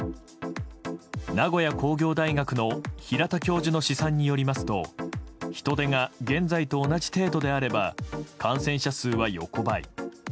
名古屋工業大学の平田教授の試算によりますと人出が現在と同じ程度であれば感染者数は横ばい。